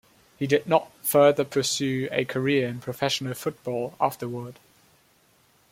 He did not further pursue a career in professional football afterward.